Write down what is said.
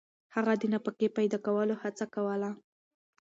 هغه د نفقې پیدا کولو هڅه کوله.